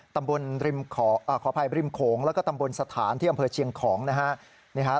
ตำบลสถานที่อำเภอเชียงของนะครับ